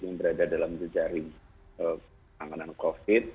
yang berada dalam jejaring tanganan covid